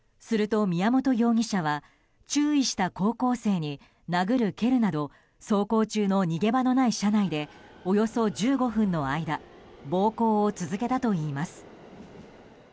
すると、宮本容疑者は注意した高校生に殴る蹴るなど走行中の逃げ場のない車内でおよそ１５分の間暴行を続けたといいます。